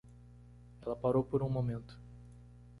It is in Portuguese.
Ela parou por um momento.